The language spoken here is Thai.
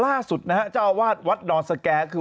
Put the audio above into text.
ล่าสุดนะฮะเจ้าอาวาสวัดดอนสแก่คือ